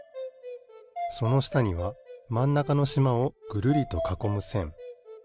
そのしたにはまんなかのしまをぐるりとかこむせん。